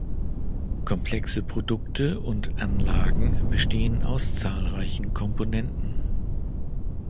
Komplexe Produkte und Anlagen bestehen aus zahlreichen Komponenten.